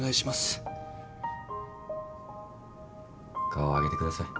顔を上げてください。